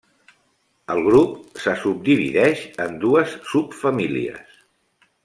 El grup se subdivideix en dues subfamílies.